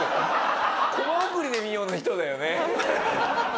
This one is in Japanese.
「コマ送りで見よう！」の人だよね。